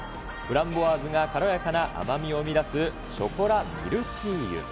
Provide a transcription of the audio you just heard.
フランボワーズが軽やかな甘みを生み出すショコラミルティーユ。